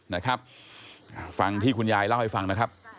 นะครับฟังที่คุณยายเล่าให้ฟังนะครับ